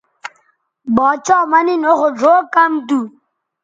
باڇھا مہ نِن او خو ڙھؤ کم تھو